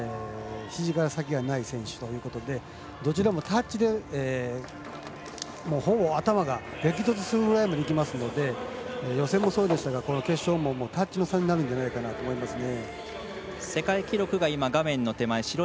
低身長で手が短い選手とひじから先がない選手ということでどちらもタッチのほうをほぼ頭で激突するくらいなので予選もそうでしたがこの決勝もタッチの差になるんじゃないかと思いますね。